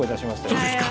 そうですか。